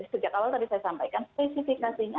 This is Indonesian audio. sejak awal tadi saya sampaikan spesifikasinya